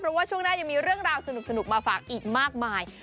เพราะว่าช่วงหน้ายังมีเรื่องราวสนุกมาฝากอีกมากมาย